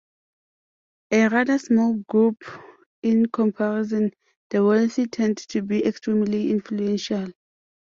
A rather small group in comparison, the wealthy tend to be extremely influential.